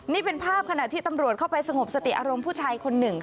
นี่เป็นภาพขณะที่ตำรวจเข้าไปสงบสติอารมณ์ผู้ชายคนหนึ่ง